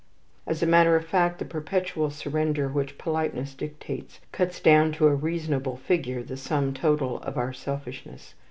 As a matter of fact, the perpetual surrender which politeness dictates cuts down to a reasonable figure the sum total of our selfishness.